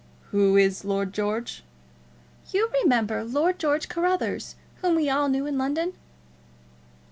"Who is Lord George?" "You remember Lord George Carruthers, whom we all knew in London?"